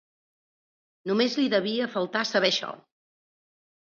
Només li devia faltar saber això!